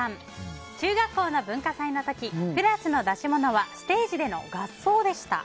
中学校の文化祭の時クラスの出し物はステージでの合奏でした。